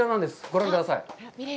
ご覧ください。